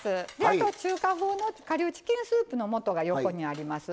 あと中華風の顆粒チキンスープの素が横にあります。